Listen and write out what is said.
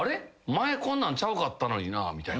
前こんなんちゃうかったのになぁみたいな。